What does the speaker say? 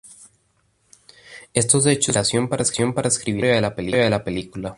Estos hechos la inspiraron para escribir la historia de la película.